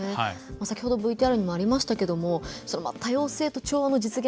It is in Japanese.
先ほどＶＴＲにもありましたけど多様性と調和の実現